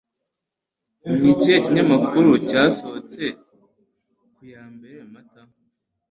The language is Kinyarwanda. Ni ikihe kinyamakuru cyasohotse ku ya mbere Mata